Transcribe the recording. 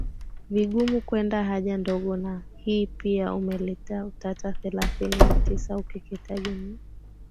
vigumu kwenda haja ndogo na hii pia umeleta utata Thelathini na tisa Ukeketaji ni